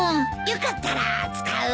よかったら使う？